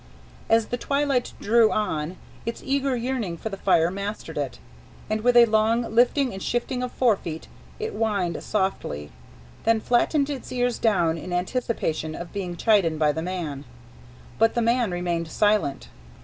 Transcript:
As the twilight drew on, its eager yearning for the fire mastered it, and with a great lifting and shifting of forefeet, it whined softly, then flattened its ears down in anticipation of being chidden by the man. But the man remained silent.